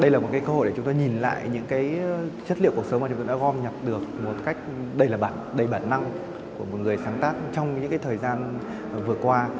đây là một cơ hội để chúng tôi nhìn lại những chất liệu cuộc sống mà chúng tôi đã gom nhặt được một cách đây là đầy bản năng của một người sáng tác trong những thời gian vừa qua